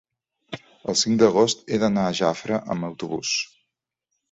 el cinc d'agost he d'anar a Jafre amb autobús.